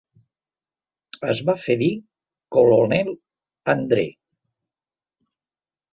Es va fer dir "Colonel Andre".